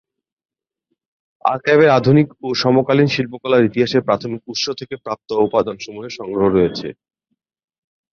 আর্কাইভে আধুনিক ও সমকালীন শিল্পকলার ইতিহাসের প্রাথমিক উৎস থেকে প্রাপ্ত উপাদানসমূহের সংগ্রহ রয়েছে।